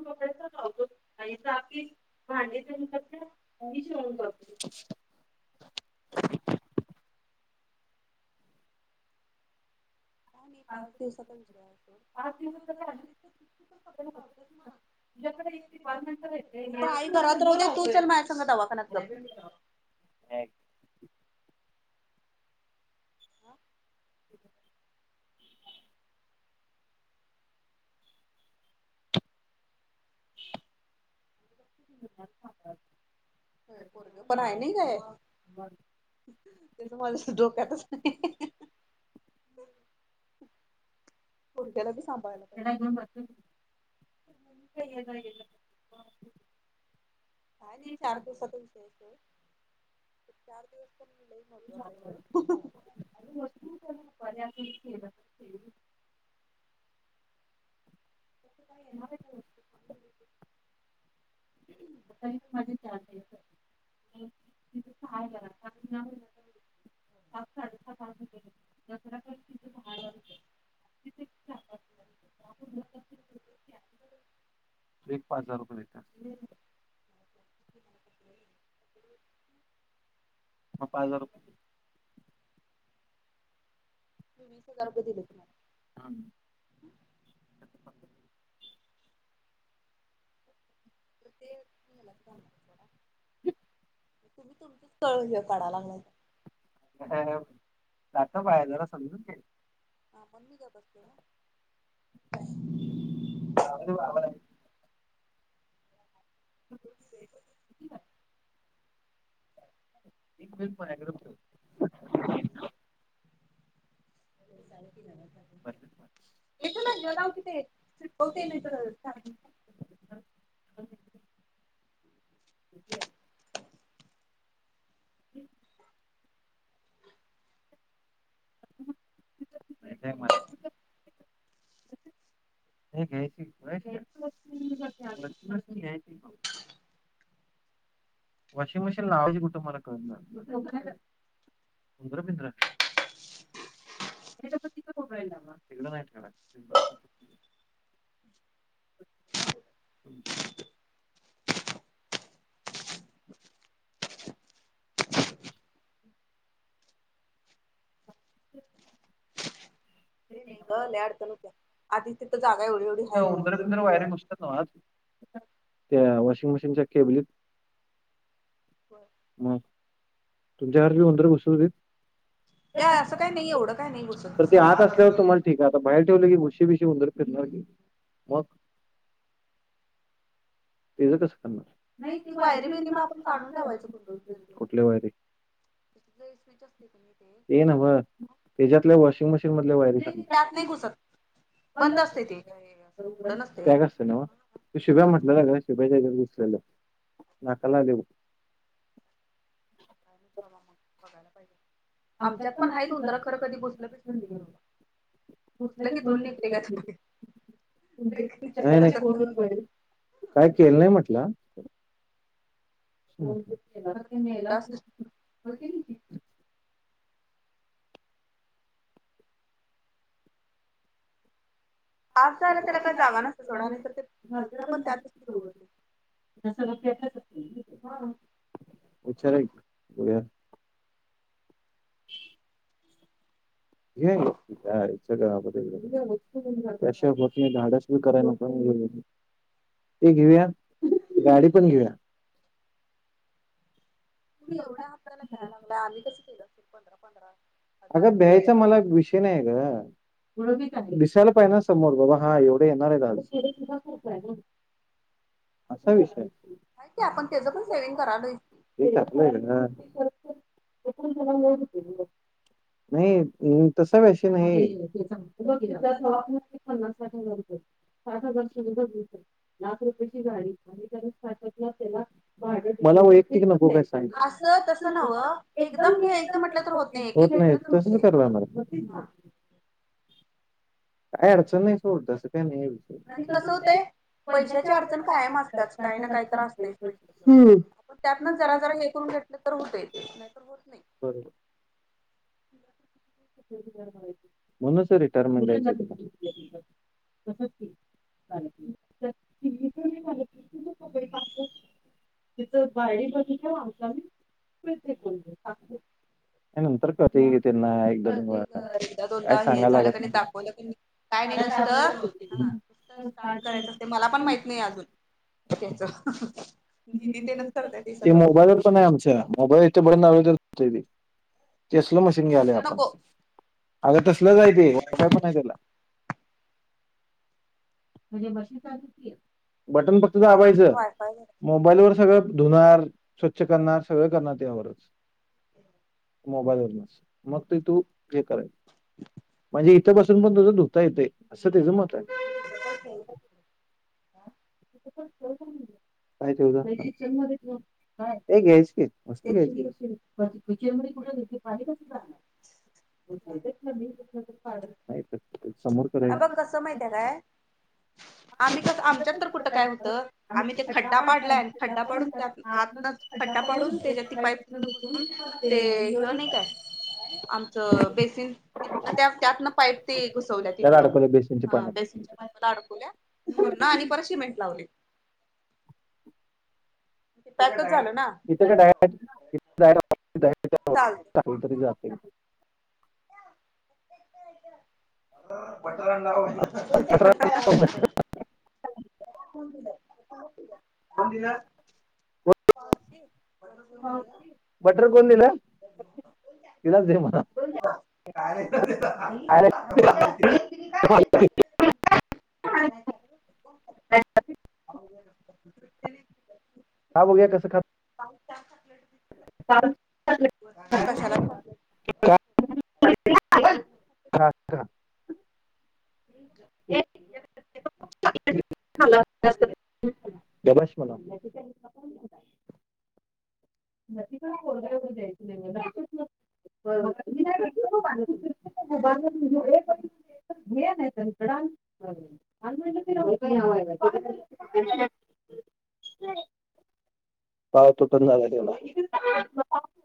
ती कपडे [unintelligible] तेनी भांडी येन करत्यात, मी शिवण करतोय. नाही नाही पाच दिवसाचा विषय हाय तो पाच दिवस जरी आली तर ती पण नाही तर आई घरात राहू दे तू चल माझ्या संग दवाखान्यात गप [unintelligible] ठ [unintelligible] होय पोरगं पण हाय नाही काय? तेज माझ्या डोक्यातच नाही. [inaudible] पोरग्याला बी सांभाळायला एकीकडं पाहिजे. घेवून बसतो की कुठं ये-जा, ये-जा करु काय नाही चार दिवसचा विषय आहे सोड चार दिवस तर लई महत्वाचं आहे गं वस्तू येत्या गं रुपाली असं असं केलं की घरात आहेस काय? सकाळीच माझे चार [unintelligible] [unintelligible] तो एक पाच हजार रुपये देता [unintelligible] ह पाच हजार रुपये मी वीस हजार रुपये दिले तुमाला थांब तर ते मलाच [unintelligible] जरा तुम्ही तुमचंच स्थळ हे काढाय लागलायसा [unintelligible] जरा समजून घ्याय हा म्हणून मी गप बसतोय ना [unintelligible] एक विन [unintelligible] बी ठेव [unintelligible] बर इथं नाही तिकडं लाव की ते चिकटव ते नाही तर चार्जिंग हे काय काय मला हे घ्यायची घ्यायची वस्तू घ्यायलाच पाहिजे वॉशिंग मशीन लावायची कुठं मला कळना झालंय. उंदरं बिंद्र नाहीतर मग तिथं कोपऱ्याला लावा तिकडं नाही ठेवणार इथंच असू दे. ठेवायचं ते नाही ग लई अडचण होत्या आधीच तिथं जागा एवढी एवढी आहे. उंदर बिंदर वायरे बिंद्र [unintelligible] घुसतात त्या वॉशिंग मशीनच्या केबलीत बरं. मग! तुमच्या घरात बी उंदरं घुसत होतीत? ए असं काही नाही, एवढं काही नाही घुसत. मग ठीक आहे आता बाहेर ठेवले की घूशी बिशी उंदरं फिरणार की मग! तेज कसं करणार? नाही ती ते वायरी वायरि-बिअरी बियरी मग आपण काढून गुंडळून ठेवायचं की, कुठल्या वायरी? ते स्वीच असतयं की नाही ते ते नव्हं तेच्यातल्या वॉशिंग मशीन मधल्या वायरी सांग नाही त्यात नाही घुसत, बंद असतंय ते, काय अस उघड नसतंय. तो शुभ्या म्हंटलेला ग शुभ्याच्या हेच्यात घुसलेलं, नाकाला लागलंय बघ. बघा मग, बघायला पाहिजे आमच्यात पण आहेत उंदर खरं कधी घुसलं बिसलं नाहीं एवढं. घुसलं की धुवून निघतंय घ्या ते बाहेर नाही, ते नाही. [unintelligible] काय केलं नाही म्हंटला. खरं ते मेल असलं, होय की नाही? आत जायला त्याला काय जागा नसत्या सोडा, नाहीतर ते घालतोय आपण त्यातच की तेवढं ते. ते सगळं पॅक च असतंय नव्ह ते? हा हम्म! विचारुया की. बघूया. घेऊया घे, तिच्या आईच्या गावात. त्याशिवाय होत नाही धाडस बी कराय नको आणि हे बी नको. ते घेऊया, गाडी पण घेऊया. तुम्ही एवढ्या हप्त्याला भिया लागलाय आम्ही कसं केलं असेल? पंधरा पंधरा हजार अगं भ्यायचं मला आहे विषय नाही आहे ग दिसायला पाहिजे ना समोर बाबा हां एवढं येणार आहेत आज. असा विषय आहे की आपण त्याचं पण सेव्हिंग करालोय की. तेल तापलंय ग नाही तसा विषय नाही. बघ हिच्या दवाखान्याचं पन्नास साठ हजार रुपये. साठ हजार ची [unintelligible] लाख रुपयाची गाडी आणि त्याला स्टार्टअप ला त्याला मला वयक्तिक नको काय सांगू. असं तसं नव्हं एकदम घ्यायचं म्हटलं तर एक होत एक नाही, घेतलं तर तसंच होतंय. करायला लागणार हा आहे. काय अडचण नाही सोड, तसं काय नाहीये विषय. आणि कसं होतंय पैशाची अडचण कायम असत्याच काय ना काय तर असतयचं पैशाच. हम्म आपण त्यातनच जरा जरा हे करून घेतलं तर होतंय ते, नाहीतर होत नाही. बरोबर. म्हणूनच ते रिटायरमेंट आहेत. तसंच की [inaudible] तिचं बारडी बघितल्यावर [unintelligible] दे फेकून काय नंतर कळतंय की ग त्यांना. कळतंय ग वेळा. एकदा काय दोनदा हे सांगायला झालं की लागत नाही दाखवलं की नाही, काय नाही आपल्याला निस्ता हां. कसं स्टार्ट करायचं असतंय मला पण माहित नाही अजून त्याच. दीदी तेन च करत्या ते सगळं. नाही आमच्या मोबाईल इथनं बटन दाबलं तर होतंय ते, तसलं मशीन घ्यालोय तसलं आपण. नको अगं तसलंचय ते पण! बटन फक्त दबायचं वायफाय मोबाईल व सगळ धुणार स्वच्छ करणार सगळं करणार त्यावरच मोबाईल वर नस मग ते तू जे कयल म्हणजे इथंपसून पण तुझं धुता येते असं त्याचं मत आहे तण [inaudible] का ठे हो! ते घ्यायच किचन तेच की म कुठ पाणी क समोर अ ब करायच कसं माहित आहे काय? आम्ही कस! आमच्यात तर कुठं काय होतं? आम्ही ते खड्डा पाडलाय खड्डा पाडून त्या आतनच खड्डा पाडून त्याच्या त पाईप ते हि नाही काय आमचं बेसिन त्या त्यातन पाईट ते घुसवल्या त्याला तिथून अडकवलं बेसिनच्या पाण्यात ल्या आणि ब शिमेंट लावले! ते पॅकच झालं ना? इथच्या डारेटडयर चालेल तरी जाते. बटलाडव दि खन दिला हो! ! पाशी! बटर कोन दिला दिलाच दे मला! का? [inaudible] [unintelligible] खराब हो ग कसे खात! पा चाप! ह! ! आता झाला! खा खा खा. हॅ गबाश म्हला! न का कोरवर जाय मच! ब ब [inaudible] [unintelligible] पड [unintelligible] [inaudible] पाळ तो पण झाला तवला